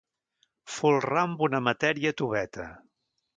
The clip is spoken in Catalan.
Folrar amb una matèria toveta.